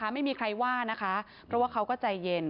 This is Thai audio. ไม่มีใครว่านะคะเพราะว่าเขาก็ใจเย็น